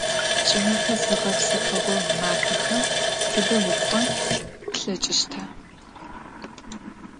Ç'ımefe zığepsefığo mafexem tıde vuk'on plheç'ışta?